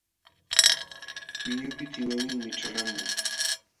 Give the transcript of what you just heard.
Ñuñupitiy wawinmi ćhalqamun.